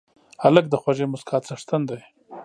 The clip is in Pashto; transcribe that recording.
هلک د خوږې موسکا څښتن دی.